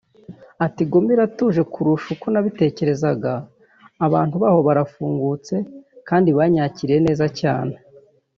Ati “Goma iratuje kurusha uko nabitekerezaga […] Abantu baho barafungutse kandi banyakiriye neza cyane